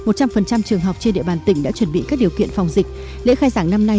một trăm linh trường học trên địa bàn tỉnh đã chuẩn bị các điều kiện phòng dịch lễ khai giảng năm nay